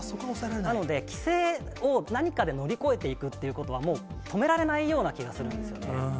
なので規制を、何かで乗り越えていくということは、もう、止められないような気がするんですよね。